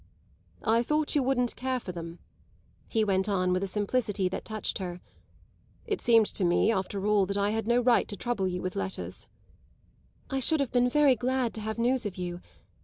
"I thought you wouldn't care for them," he went on with a simplicity that touched her. "It seemed to me that after all I had no right to trouble you with letters." "I should have been very glad to have news of you.